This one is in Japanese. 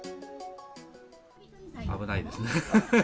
危ないですね。